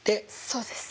そうです。